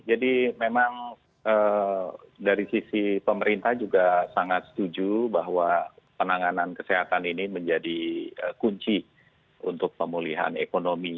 memang dari sisi pemerintah juga sangat setuju bahwa penanganan kesehatan ini menjadi kunci untuk pemulihan ekonomi